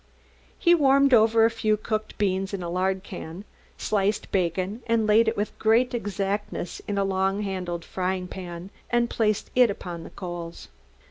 He warmed over a few cooked beans in a lard can, sliced bacon and laid it with great exactness in a long handled frying pan and placed it on the coals.